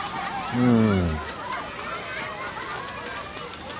うん。